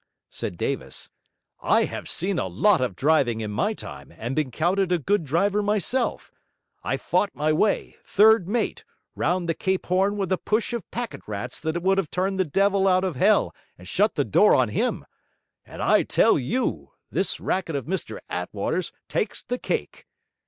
said Davis, 'I have seen a lot of driving in my time and been counted a good driver myself; I fought my way, third mate, round the Cape Horn with a push of packet rats that would have turned the devil out of hell and shut the door on him; and I tell you, this racket of Mr Attwater's takes the cake.